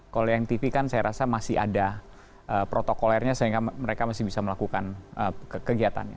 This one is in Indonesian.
kalau yang tv kan saya rasa masih ada protokolernya sehingga mereka masih bisa melakukan kegiatannya